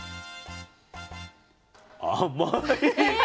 甘い。